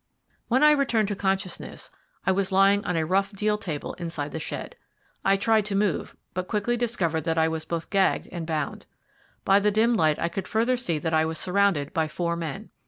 When I returned to consciousness I was lying on a rough deal table inside the shed. I tried to move, but quickly discovered that I was both gagged and bound. By the dim light I could further see that I was surrounded by four men.